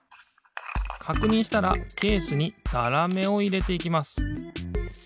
かくにんしたらケースにざらめをいれていきます。